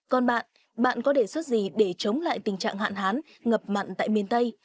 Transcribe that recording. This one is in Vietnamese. còn bạn bạn có đề xuất gì để chống lại tình trạng hạn hán ngập mặn tại miền tây